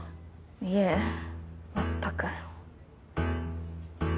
いえまったく。